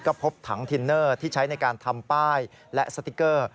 ก็พบถังทินเนอร์ที่ใช้ในการทำป้ายและสติ๊กเกอร์